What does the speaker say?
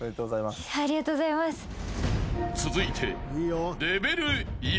［続いて］